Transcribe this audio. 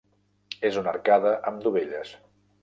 És una arcada amb dovelles.